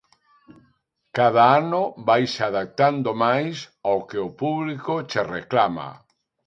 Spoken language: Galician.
Cada ano vaise adaptando máis ao que o público che reclama.